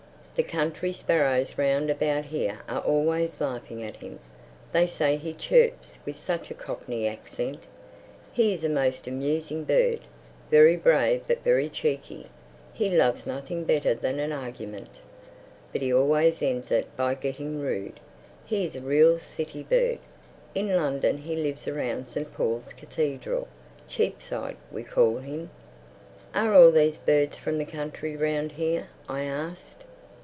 The country sparrows round about here are always laughing at him. They say he chirps with such a Cockney accent. He is a most amusing bird—very brave but very cheeky. He loves nothing better than an argument, but he always ends it by getting rude. He is a real city bird. In London he lives around St. Paul's Cathedral. 'Cheapside,' we call him." "Are all these birds from the country round here?" I asked.